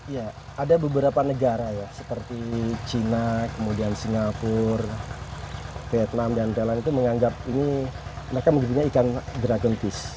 ya ada beberapa negara ya seperti china kemudian singapura vietnam dan thailand itu menganggap ini mereka menggunakan ikan dragentis